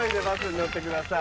乗ってください。